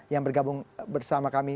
yang bergabung bersama kami